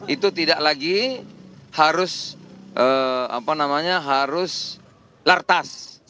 itu tidak lagi harus apa namanya harus lartas